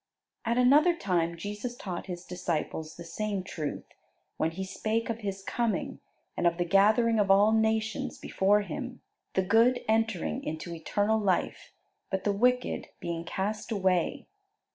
At another time Jesus taught His disciples the same truth; when He spake of His coming and of the gathering of all nations before Him, the good entering into eternal life, but the wicked being cast away.